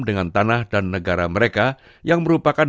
dengan tanah dan negara mereka yang merupakan